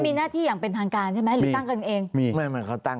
ไม่มีหน้าที่อย่างเป็นทางการใช่ไหมหรือตั้งกันเอง